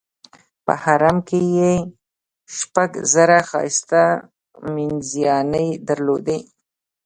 په حرم کې یې شپږ زره ښایسته مینځیاني درلودې.